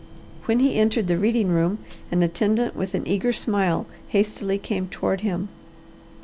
When he entered the reading room an attendant with an eager smile hastily came toward him.